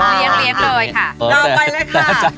เลี้ยงรีบเลยค่ะ